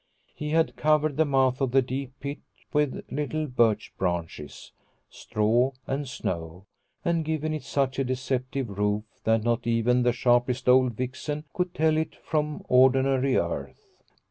He had covered the mouth of the deep pit with little birch branches, straw, and snow, and given it such a deceptive roof that not even the sharpest old vixen could tell it from ordinary earth.